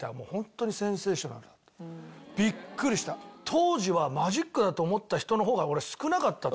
当時はマジックだと思った人の方が俺少なかったと思うよ。